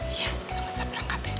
serius kita masih berangkat deh